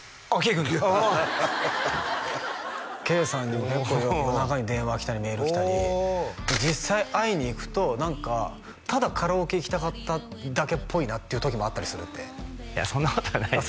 君ああ圭さんにも結構夜中に電話来たりメール来たり実際会いに行くと何かただカラオケ行きたかっただけっぽいなっていう時もあったりするっていやそんなことはないですよ